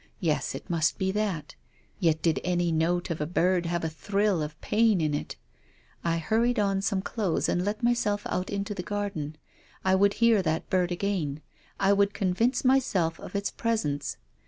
Yes, it must be that. Yet did any note of a bird have a thrill of pain in it ? I hurried on some clothes and let myself out into the garden. I would hear that bird again. I would convince myself of its presence.